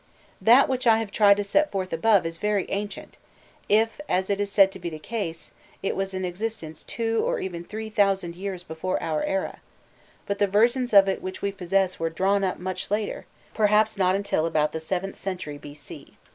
That which I have tried to set forth above is very ancient, if, as is said to be the case, it was in existence two or even three thousand years before our era; but the versions of it which we possess were drawn up much later, perhaps not till about the VIIth century B.C.